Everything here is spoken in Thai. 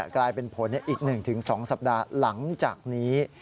กลายเป็นผลอีก๑๒สัปดาห์หลังจากนี้